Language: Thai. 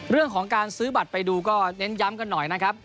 เรื่องของการซื้อบัตรไปดูก็เน้นย้ำกันหน่อยนะครับ